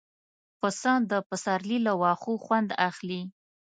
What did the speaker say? پسه د پسرلي له واښو خوند اخلي.